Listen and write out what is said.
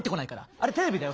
あれテレビだよ